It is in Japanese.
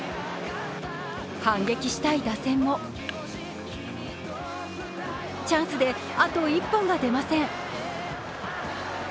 反撃したい打線もチャンスであと１本が出ません。